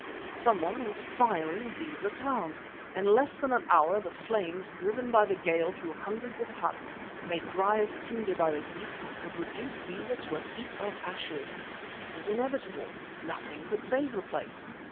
Someone was firing Beza Town! In less than an hour the flames, driven by the gale through hundreds of huts made dry as tinder by the heat, would reduce Beza to a heap of ashes. It was inevitable, nothing could save the place!